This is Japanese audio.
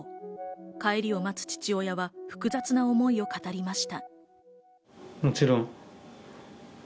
帰りを待つ父親は複雑な思いを語りました。